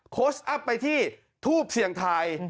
ควบคุมที่ทูปเสียงทาย